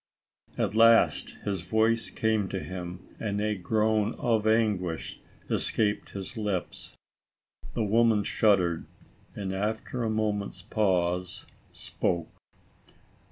At last, his voice came to him, and a groan of anguish escaped his lips. The woman shuddered, and, after a moment's pause, spoke.